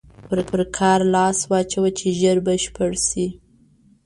پر کار لاس واچوه چې ژر بشپړ شي.